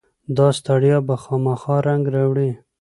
داستړیا به خامخا رنګ راوړي.